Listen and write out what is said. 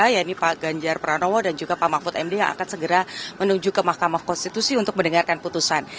yaitu pak ganjar pranowo dan juga pak mahfud md yang akan segera menuju ke mahkamah konstitusi untuk mendengarkan putusan